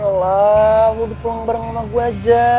alah mau ditemang bareng sama gue aja